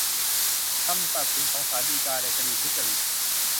คำตัดสินของศาลฎีกาในคดีทุจริต